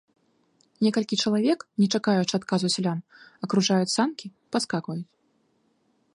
Некалькі чалавек, не чакаючы адказу сялян, акружаюць санкі, падскакваюць.